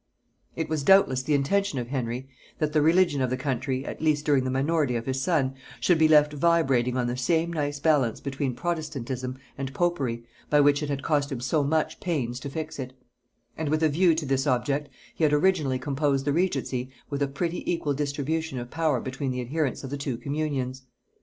It was doubtless the intention of Henry, that the religion of the country, at least during the minority of his son, should be left vibrating on the same nice balance between protestantism and popery on which it had cost him so much pains to fix it; and with a view to this object he had originally composed the regency with a pretty equal distribution of power between the adherents of the two communions.